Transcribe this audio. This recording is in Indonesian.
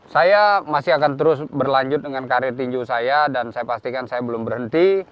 saya masih akan terus berlanjut dengan karir tinju saya dan saya pastikan saya belum berhenti